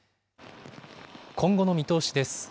今後の見通しです。